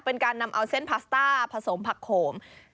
เป็นการนำเอาเส้นพาสต้าผสมผักโขม